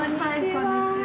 こんにちは。